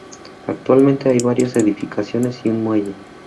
Actualmente, hay varias edificaciones y un muelle.